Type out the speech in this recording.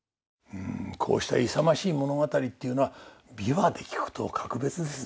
うんこうした勇ましい物語っていうのは琵琶で聴くと格別ですね。